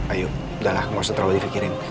ayu udahlah gak usah terlalu difikirin